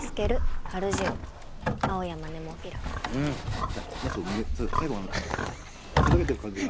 すみません最後のふざけてる感じが。